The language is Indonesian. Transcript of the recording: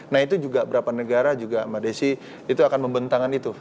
nah itu juga berapa negara juga mbak desi itu akan membentangkan itu